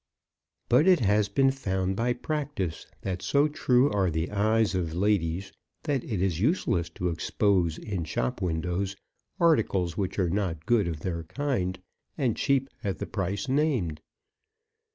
But it has been found by practice that so true are the eyes of ladies that it is useless to expose in shop windows articles which are not good of their kind, and cheap at the price named.